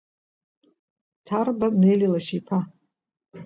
Ҭарба Нели лашьа иԥа.